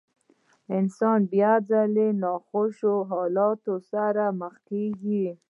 انسان بيا ځلې له ناخوښو حالاتو سره مخ کېږي.